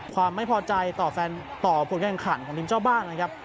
ความไม่พอใจต่อผลแข่งขันของทีมเจ้าบ้านนะครับ